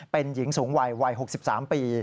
เป็นหญิงสูงวัยวัย๖๓ปี